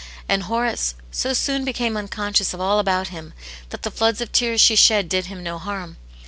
And Horace so soon became unconscious of all about him that the floods of tears she shed did him no harm.